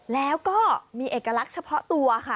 แล้วก็มีเอกลักษณ์เฉพาะตัวค่ะ